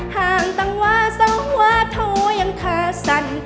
ห่างตังวะสะวะโทยังคาสัน